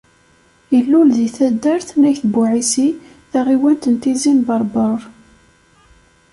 Ilul deg taddart n Ayt Buɛisi, taɣiwant n Tizi n Berber.